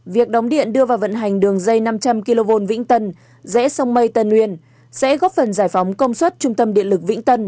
việc đóng điện đưa vào vận hành đường dây năm trăm linh kv vĩnh tân rẽ sông mây tân uyên sẽ góp phần giải phóng công suất trung tâm điện lực vĩnh tân